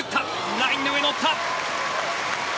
ラインの上に乗った！